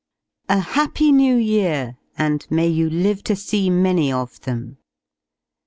"A Happy New Year and may you live to see many of them!"